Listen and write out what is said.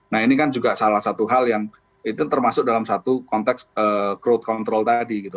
nah ini kan juga salah satu hal yang itu termasuk dalam satu konteks crowd control tadi gitu